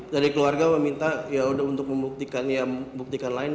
dari keluarga meminta ya sudah untuk membuktikan lain